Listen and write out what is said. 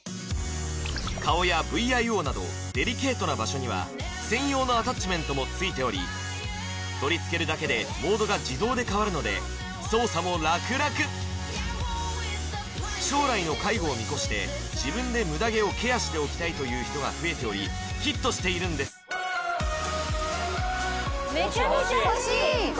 顔やＶＩＯなどデリケートな場所には専用のアタッチメントもついており取り付けるだけでモードが自動で変わるので操作もラクラク将来の介護を見越しして自分でムダ毛をケアしておきたいという人が増えておりヒットしているんです欲しいですね